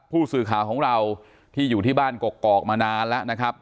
ผู้สื่อข่าวของเราที่อยู่ที่บ้านกกอกมานานแล้วนะครับ